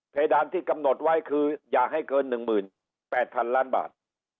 ดานที่กำหนดไว้คืออย่าให้เกิน๑๘๐๐๐ล้านบาท